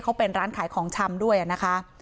เขาเป็นร้านขายของชำด้วยนะคะ